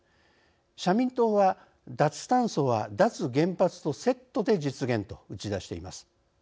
社民党は「脱炭素は脱原発とセットで実現」と打ち出しています。